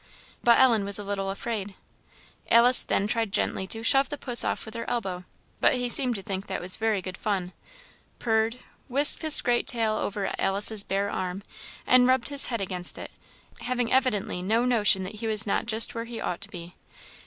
But Ellen was a little afraid. Alice then tried gently to shove puss off with her elbow; but he seemed to think that was very good fun, purred, whisked his great tail over Alice's bare arm, and rubbed his head against it, having evidently no notion that he was not just where he ought to be.